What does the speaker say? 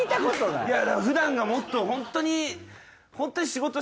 いや普段がもっとホントに。